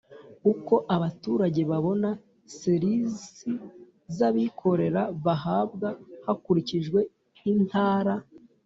Uko abaturage babona ser isi z abikorera bahabwa hakurikijwe intara